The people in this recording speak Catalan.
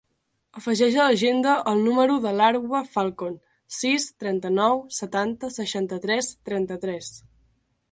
Afegeix a l'agenda el número de l'Arwa Falcon: sis, trenta-nou, setanta, seixanta-tres, trenta-tres.